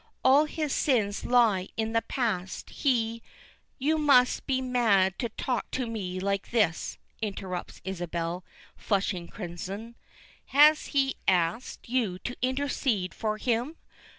All his sins lie in the past. He " "You must be mad to talk to me like this," interrupts Isabel, flushing crimson. "Has he asked you to intercede for him?